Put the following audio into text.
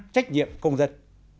trách nhiệm công dân